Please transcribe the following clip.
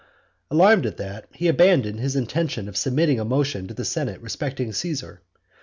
Alarmed at that, he abandoned his intention of submitting a motion to the senate respecting Caesar.